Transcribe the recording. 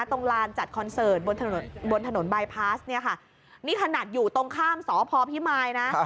ตรงลานจัดคอนเสิร์ตบนถนนบนถนนบายพาสเนี่ยค่ะนี่ขนาดอยู่ตรงข้ามสพพิมายนะ